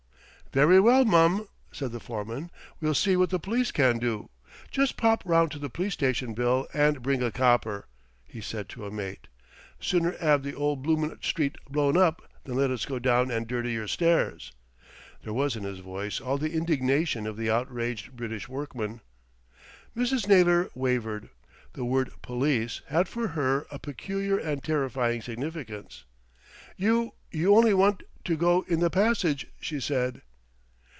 "Very well, mum," said the foreman, "we'll see what the police can do. Just pop round to the police station, Bill, and bring a copper," he said to a mate. "Sooner 'ave the 'ole bloomin' street blown up than let us go down and dirty your stairs." There was in his voice all the indignation of the outraged British workman. Mrs. Naylor wavered. The word "police" had for her a peculiar and terrifying significance. "You you only want to go in the passage," she said.